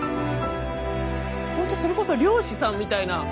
本当それこそ漁師さんみたいな。